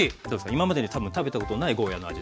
今までに多分食べたことないゴーヤーの味だと。